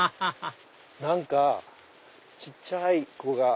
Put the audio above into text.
何か小っちゃい子が。